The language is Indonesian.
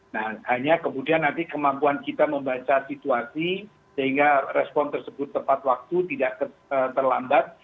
nah hanya kemudian nanti kemampuan kita membaca situasi sehingga respon tersebut tepat waktu tidak terlambat